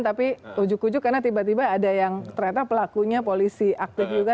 tapi ujuk ujuk karena tiba tiba ada yang ternyata pelakunya polisi aktif juga